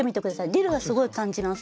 ディルはすごい感じます。